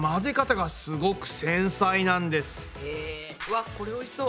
わっこれおいしそう。